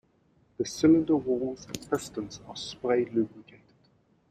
The cylinder walls and pistons are spray lubricated.